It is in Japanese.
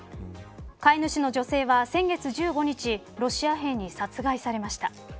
飼い主の女性は先月１５日ロシア兵に殺害されました。